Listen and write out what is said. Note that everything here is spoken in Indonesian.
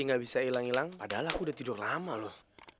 gak bisa ilang ilang padahal aku udah tidur lama loh